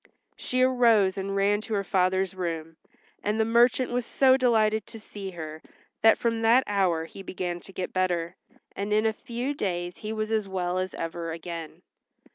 She arose and ran to her father's room, and the merchant was so delighted to see her that from that hour he began to get better, and in a few days he was as well as ever again.